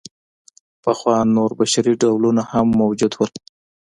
پخوا نور بشري ډولونه هم موجود وو.